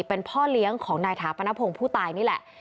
เป็นพ่อเลี้ยงของนายถาปนพงศ์ผู้ตายนี่แหละ